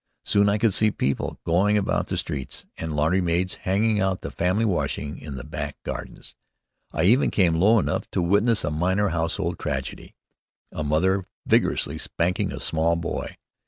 Soon I could see people going about the streets and laundry maids hanging out the family washing in the back gardens. I even came low enough to witness a minor household tragedy a mother vigorously spanking a small boy.